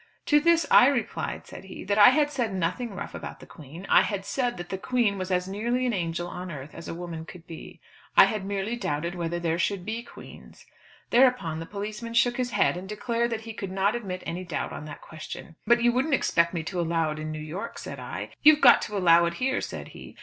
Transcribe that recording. "To this I replied," said he, "that I had said nothing rough about the Queen. I had said that the Queen was as nearly an angel on earth as a woman could be. I had merely doubted whether there should be Queens. Thereupon the policeman shook his head and declared that he could not admit any doubt on that question. 'But you wouldn't expect me to allow it in New York,' said I. 'You've got to allow it here,' said he.